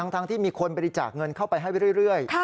ที่มีคนบริจาคเงินเข้าไปให้เรื่อย